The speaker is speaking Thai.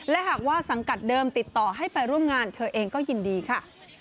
และหากว่าสังกัดเดิมติดต่อให้ไปร่วมงานเธอเองก็ยินดีค่ะ